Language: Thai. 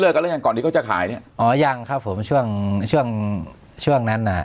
เลิกกันหรือยังก่อนนี้ก็จะขายอ๋อยังครับผมช่วงช่วงช่วงนั้น